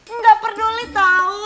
enggak peduli tau